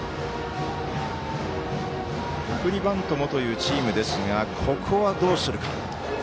送りバントもというチームですがここはどうするか。